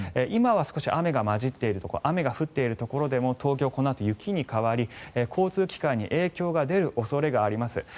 今は少し雨が混じっているところ雨が降っているところでも東京、このあと雪に変わり交通機関に影響が出る恐れがあります。